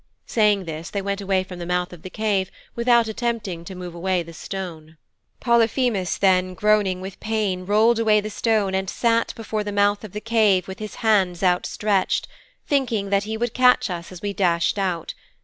Saying this, they went away from the mouth of the cave without attempting to move away the stone.' 'Polyphemus then, groaning with pain, rolled away the stone and sat before the mouth of the cave with his hands outstretched, thinking that he would catch us as we dashed out.